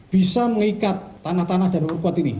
bisa mengikat tanah tanah dan ukuat ini